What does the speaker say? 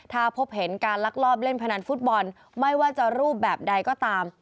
ถ้าพบเห็นการลักลอบเล่นพนันฟุตบอลไม่ว่าจะรูปแบบใดก็ตาม